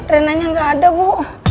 renanya nggak ada bu